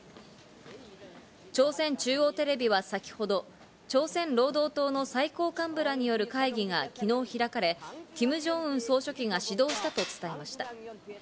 朝鮮中央テレビは先ほど、朝鮮労働党の最高幹部らによる会議が昨日開かれ、キム・ジョンウン総書記が指導したと伝えました。